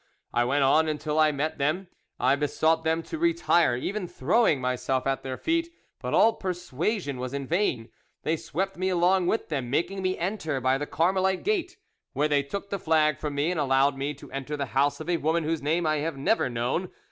I went on until I met them. I besought them to retire, even throwing myself at their feet. But all persuasion was in vain; they swept me along with them, making me enter by the Carmelite Gate, where they took the flag from me and allowed me to enter the house of a woman whose name I have never known.